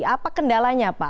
apa kendalanya pak